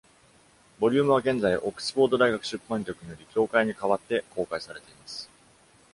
ボリュームは現在、オックスフォード大学出版局により、協会に代わって公開されています。